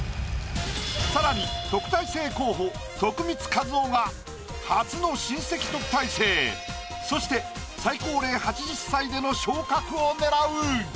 さらに特待生候補徳光和夫が初の親戚特待生そして最高齢８０歳での昇格を狙う！